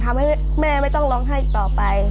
ทำให้แม่ไม่ต้องร้องไห้อีกต่อไป